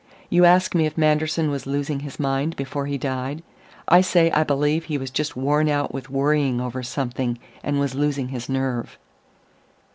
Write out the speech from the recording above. You ask me if Manderson was losing his mind before he died. I say I believe he was just worn out with worrying over something, and was losing his nerve."